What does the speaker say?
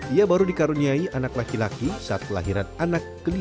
ia baru dikaruniai anak laki laki saat kelahiran anak kelima